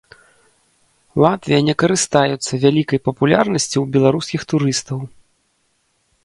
Латвія не карыстаюцца вялікай папулярнасцю ў беларускіх турыстаў.